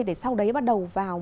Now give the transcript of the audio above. để sau đấy bắt đầu xây dựng